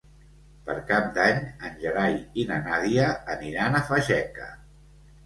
Per Cap d'Any en Gerai i na Nàdia aniran a Fageca.